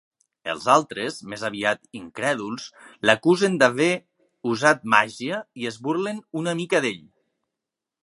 Els altres, més aviat incrèduls, l'acusen d'haver usat màgia i es burlen una mica d'ell.